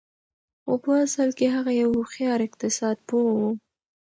خو په اصل کې هغه يو هوښيار اقتصاد پوه و.